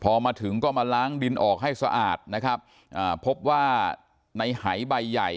พอมาถึงก็มาล้างดินออกให้สะอาดนะครับอ่าพบว่าในหายใบใหญ่